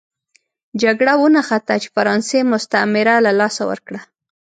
جګړه ونښته چې فرانسې مستعمره له لاسه ورکړه.